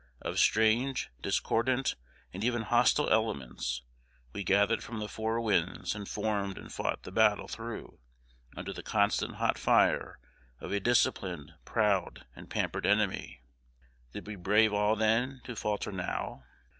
Of strange, discordant, and even hostile elements, we gathered from the four winds, and formed and fought the battle through, under the constant hot fire of a disciplined, proud, and pampered enemy. Did we brave all then to falter now?